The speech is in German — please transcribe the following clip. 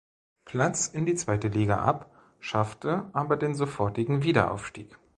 Platz in die zweite Liga ab, schaffte aber den sofortigen Wiederaufstieg.